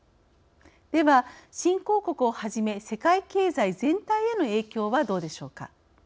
では新興国をはじめ世界経済全体への影響はどうでしょうか。